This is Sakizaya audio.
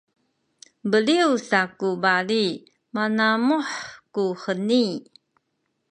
beliw sa ku bali manamuh kuheni